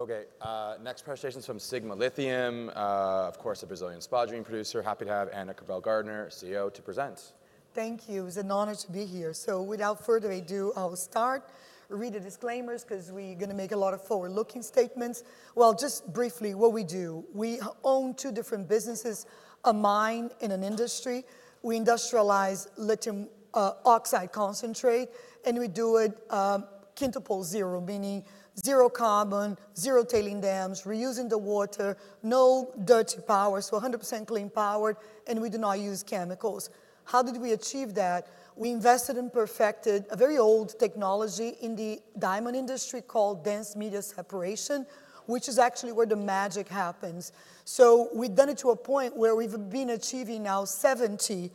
Okay, next presentation is from Sigma Lithium, of course, a Brazilian spodumene producer. Happy to have Ana Cabral-Gardner, CEO, to present. Thank you. It's an honor to be here. So, without further ado, I'll start. Read the disclaimers because we're going to make a lot of forward-looking statements. Well, just briefly, what we do: we own two different businesses, a mine and an industry. We industrialize lithium oxide concentrate, and we do it quintuple zero, meaning zero carbon, zero tailings dams, reusing the water, no dirty power, so 100% clean power. And we do not use chemicals. How did we achieve that? We invested and perfected a very old technology in the diamond industry called dense media separation, which is actually where the magic happens. So, we've done it to a point where we've been achieving now 70%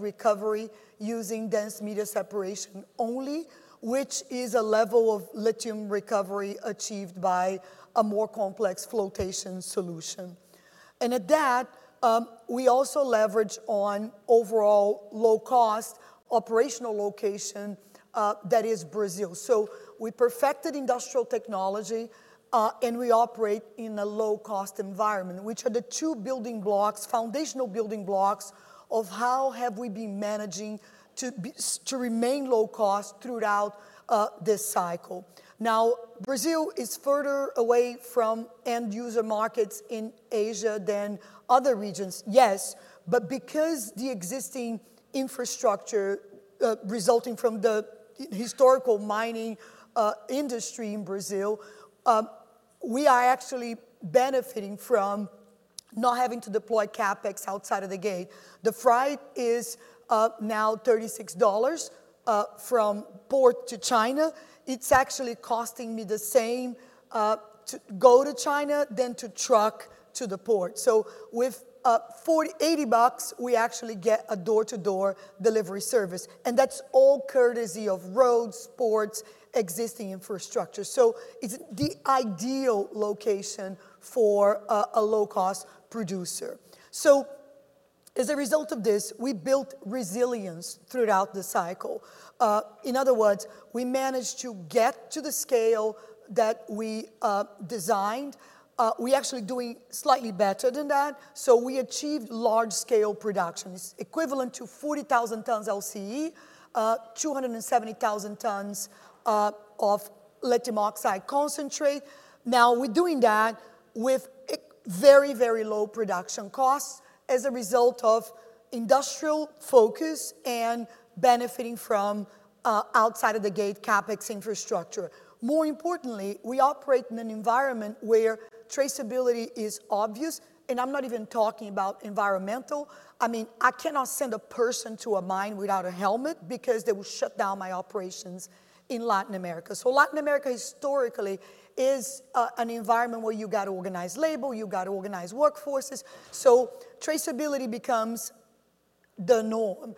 recovery using dense media separation only, which is a level of lithium recovery achieved by a more complex flotation solution. And at that, we also leverage on overall low-cost operational location that is Brazil. So, we perfected industrial technology, and we operate in a low-cost environment, which are the two building blocks, foundational building blocks of how have we been managing to remain low-cost throughout this cycle. Now, Brazil is further away from end-user markets in Asia than other regions, yes, but because of the existing infrastructure resulting from the historical mining industry in Brazil, we are actually benefiting from not having to deploy CapEx outside of the gate. The freight is now $36 from port to China. It's actually costing me the same to go to China than to truck to the port. So, with $80, we actually get a door-to-door delivery service. And that's all courtesy of roads, ports, existing infrastructure. So, it's the ideal location for a low-cost producer. So, as a result of this, we built resilience throughout the cycle. In other words, we managed to get to the scale that we designed. We're actually doing slightly better than that. So, we achieved large-scale production. It's equivalent to 40,000 tons LCE, 270,000 tons of lithium oxide concentrate. Now, we're doing that with very, very low production costs as a result of industrial focus and benefiting from outside-of-the-gate CapEx infrastructure. More importantly, we operate in an environment where traceability is obvious. And I'm not even talking about environmental. I mean, I cannot send a person to a mine without a helmet because they will shut down my operations in Latin America. So, Latin America historically is an environment where you've got to organize labor, you've got to organize workforces. So, traceability becomes the norm.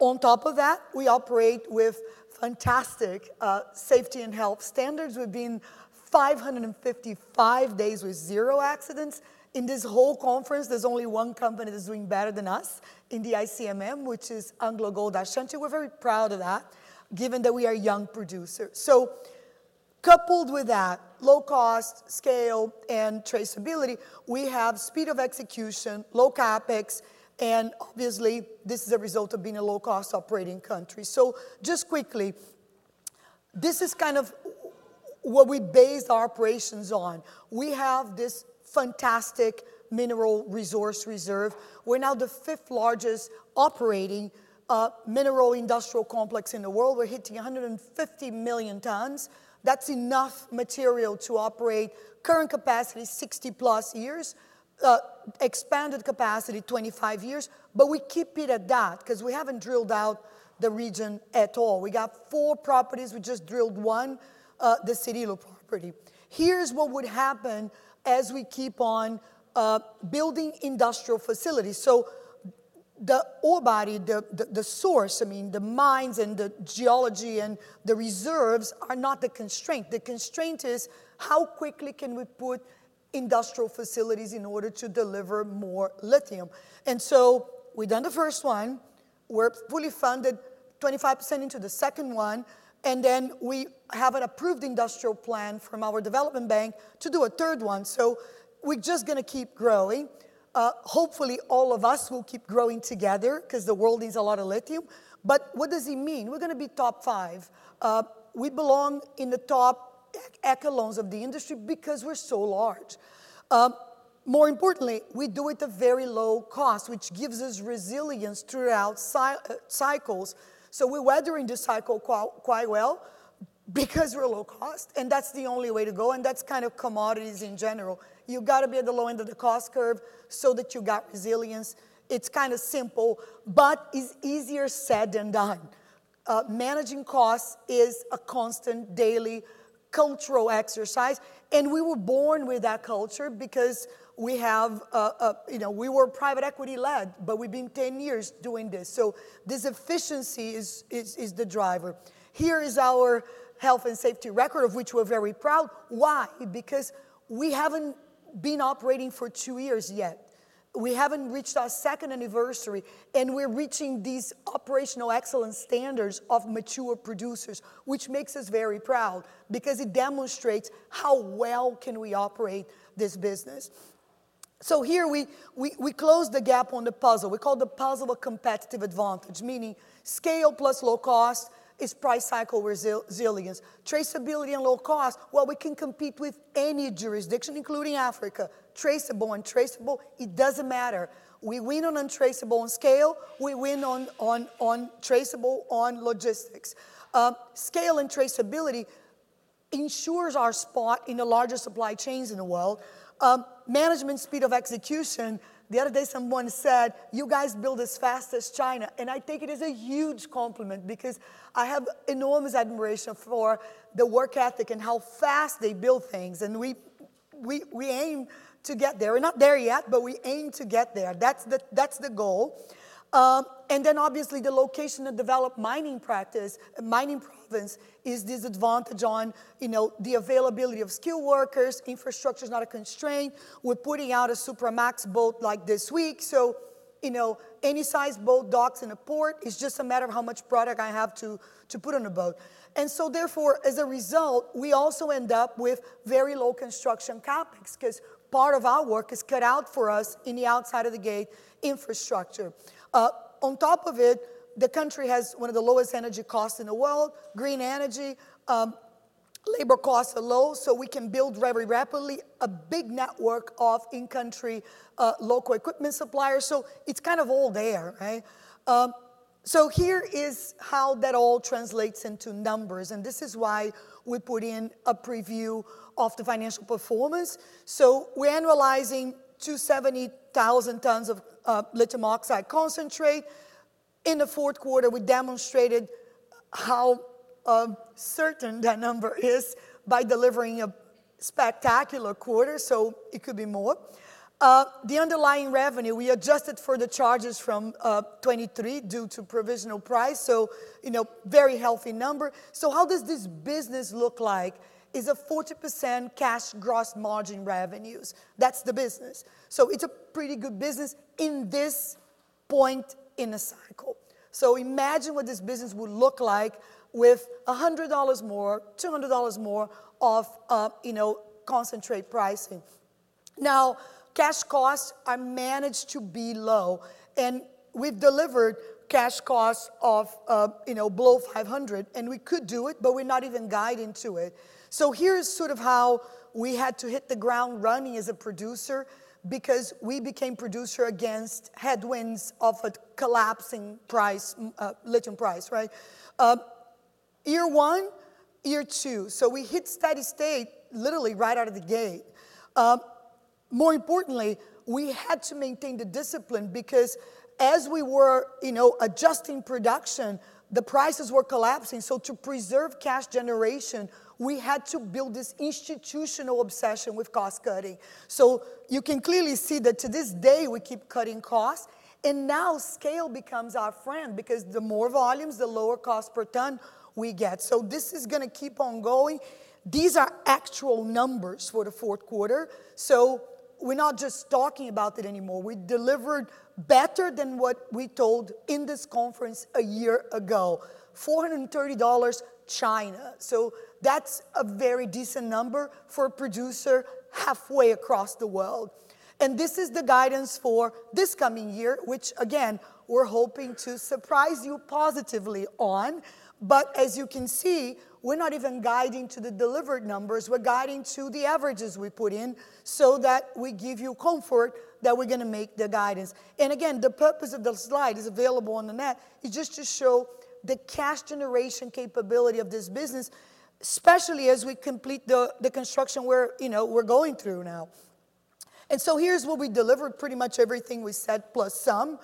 On top of that, we operate with fantastic safety and health standards. We've been 555 days with zero accidents. In this whole conference, there's only one company that's doing better than us in the ICMM, which is AngloGold Ashanti. We're very proud of that, given that we are a young producer. Coupled with that, low-cost scale and traceability, we have speed of execution, low CapEx, and obviously, this is a result of being a low-cost operating country. Just quickly, this is kind of what we based our operations on. We have this fantastic mineral resource reserve. We're now the fifth-largest operating mineral industrial complex in the world. We're hitting 150 million tons. That's enough material to operate current capacity 60+ years, expanded capacity 25 years. But we keep it at that because we haven't drilled out the region at all. We got four properties. We just drilled one, the Cirilo property. Here's what would happen as we keep on building industrial facilities. So, the ore body, the source, I mean, the mines and the geology and the reserves are not the constraint. The constraint is how quickly can we put industrial facilities in order to deliver more lithium. And so, we've done the first one. We're fully funded 25% into the second one. And then we have an approved industrial plan from our development bank to do a third one. So, we're just going to keep growing. Hopefully, all of us will keep growing together because the world needs a lot of lithium. But what does it mean? We're going to be top five. We belong in the top echelons of the industry because we're so large. More importantly, we do it at very low cost, which gives us resilience throughout cycles. So, we're weathering the cycle quite well because we're low-cost, and that's the only way to go. And that's kind of commodities in general. You've got to be at the low end of the cost curve so that you've got resilience. It's kind of simple, but it's easier said than done. Managing costs is a constant daily cultural exercise. And we were born with that culture because we have, you know, we were private equity-led, but we've been 10 years doing this. So, this efficiency is the driver. Here is our health and safety record, of which we're very proud. Why? Because we haven't been operating for two years yet. We haven't reached our second anniversary, and we're reaching these operational excellence standards of mature producers, which makes us very proud because it demonstrates how well can we operate this business. So, here we close the gap on the puzzle. We call the puzzle a competitive advantage, meaning scale plus low cost is price cycle resilience. Traceability and low cost, well, we can compete with any jurisdiction, including Africa. Traceable, untraceable, it doesn't matter. We win on untraceable on scale. We win on traceable on logistics. Scale and traceability ensures our spot in the largest supply chains in the world. Management speed of execution. The other day, someone said, "You guys build as fast as China," and I take it as a huge compliment because I have enormous admiration for the work ethic and how fast they build things, and we aim to get there. We're not there yet, but we aim to get there. That's the goal, and then, obviously, the location of developed mining practice, mining province, is disadvantaged on, you know, the availability of skilled workers. Infrastructure is not a constraint. We're putting out a Supramax boat like this week. So, you know, any size boat, docks, and a port, it's just a matter of how much product I have to put on a boat. And so, therefore, as a result, we also end up with very low construction CapEx because part of our work is cut out for us in the outside-of-the-gate infrastructure. On top of it, the country has one of the lowest energy costs in the world. Green energy, labor costs are low, so we can build very rapidly a big network of in-country local equipment suppliers. So, it's kind of all there, right? So, here is how that all translates into numbers. And this is why we put in a preview of the financial performance. So, we're analyzing 270,000 tons of lithium oxide concentrate. In the fourth quarter, we demonstrated how certain that number is by delivering a spectacular quarter. So, it could be more. The underlying revenue, we adjusted for the charges from 2023 due to provisional price. So, you know, very healthy number. So, how does this business look like? It's a 40% cash gross margin revenues. That's the business. So, it's a pretty good business in this point in the cycle. So, imagine what this business would look like with $100 more, $200 more of, you know, concentrate pricing. Now, cash costs are managed to be low. And we've delivered cash costs of, you know, below $500, and we could do it, but we're not even guiding to it. So, here's sort of how we had to hit the ground running as a producer because we became producer against headwinds of a collapsing price, lithium price, right? Year one, year two. We hit steady state literally right out of the gate. More importantly, we had to maintain the discipline because as we were, you know, adjusting production, the prices were collapsing. To preserve cash generation, we had to build this institutional obsession with cost-cutting. You can clearly see that to this day, we keep cutting costs. Now scale becomes our friend because the more volumes, the lower cost per ton we get. This is going to keep on going. These are actual numbers for the fourth quarter. We're not just talking about it anymore. We delivered better than what we told in this conference a year ago, $430 China. That's a very decent number for a producer halfway across the world. This is the guidance for this coming year, which, again, we're hoping to surprise you positively on. But as you can see, we're not even guiding to the delivered numbers. We're guiding to the averages we put in so that we give you comfort that we're going to make the guidance. And again, the purpose of the slide is available on the net. It's just to show the cash generation capability of this business, especially as we complete the construction we're, you know, we're going through now. And so, here's what we delivered: pretty much everything we said, plus some.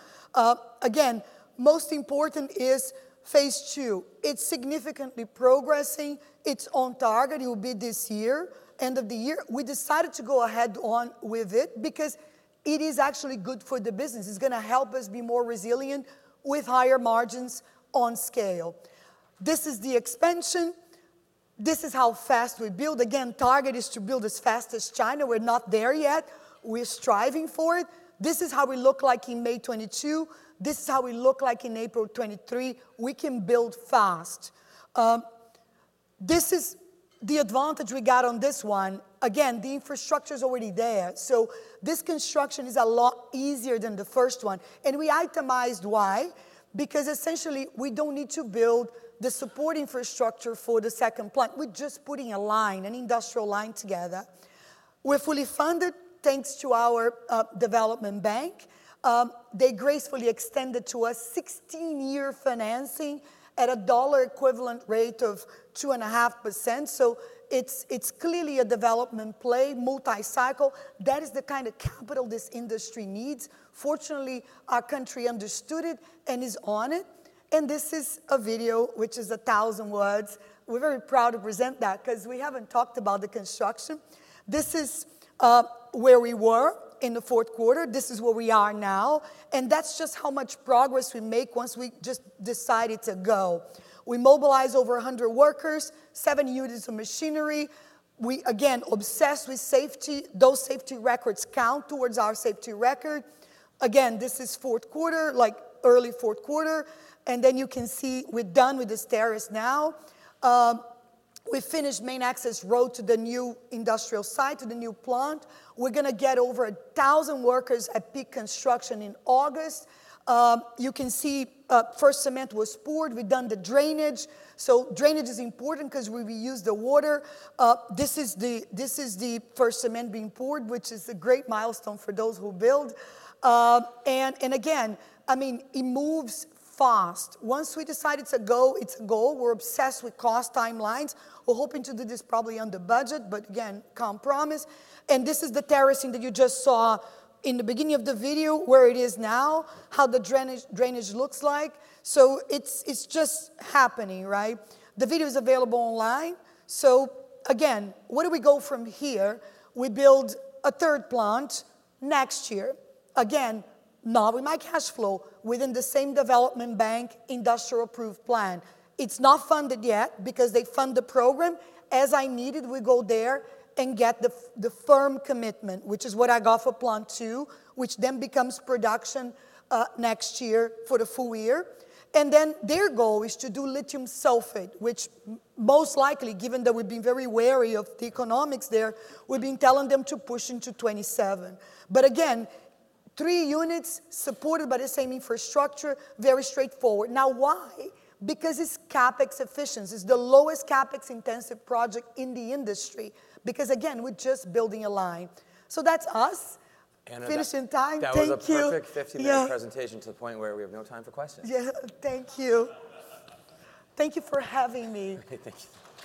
Again, most important is phase two. It's significantly progressing. It's on target. It will be this year, end of the year. We decided to go ahead on with it because it is actually good for the business. It's going to help us be more resilient with higher margins on scale. This is the expansion. This is how fast we build. Again, target is to build as fast as China. We're not there yet. We're striving for it. This is how we look like in May 2022. This is how we look like in April 2023. We can build fast. This is the advantage we got on this one. Again, the infrastructure is already there. So, this construction is a lot easier than the first one. And we itemized why? Because essentially, we don't need to build the support infrastructure for the second plant. We're just putting a line, an industrial line together. We're fully funded thanks to our development bank. They gracefully extended to us 16-year financing at a dollar-equivalent rate of 2.5%. So, it's clearly a development play, multi-cycle. That is the kind of capital this industry needs. Fortunately, our country understood it and is on it. And this is a video which is 1,000 words. We're very proud to present that because we haven't talked about the construction. This is where we were in the fourth quarter. This is where we are now, and that's just how much progress we make once we just decided to go. We mobilized over 100 workers, seven units of machinery. We, again, obsessed with safety. Those safety records count towards our safety record. Again, this is fourth quarter, like early fourth quarter, and then you can see we're done with the stairs now. We finished main access road to the new industrial site, to the new plant. We're going to get over 1,000 workers at peak construction in August. You can see first cement was poured. We've done the drainage. So, drainage is important because we reuse the water. This is the first cement being poured, which is a great milestone for those who build. Again, I mean, it moves fast. Once we decided to go, it's a go. We're obsessed with cost timelines. We're hoping to do this probably under budget, but again, can't promise. This is the terracing that you just saw in the beginning of the video where it is now, how the drainage looks like. It's just happening, right? The video is available online. Again, where do we go from here? We build a third plant next year. Again, not with my cash flow, within the same development bank, industrial approved plant. It's not funded yet because they fund the program. As I need it, we go there and get the firm commitment, which is what I got for plant two, which then becomes production next year for the full year. And then their goal is to do lithium sulfate, which most likely, given that we've been very wary of the economics there, we've been telling them to push into 2027. But again, three units supported by the same infrastructure, very straightforward. Now, why? Because it's CapEx efficiency. It's the lowest CapEx intensive project in the industry because, again, we're just building a line. So, that's us. Finishing time. Thank you. That was a perfect 15-minute presentation to the point where we have no time for questions. Yeah. Thank you. Thank you for having me. Okay. Thank you.